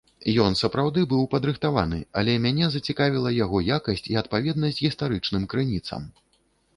Ён сапраўды быў падрыхтаваны, але мяне зацікавіла яго якасць і адпаведнасць гістарычным крыніцам.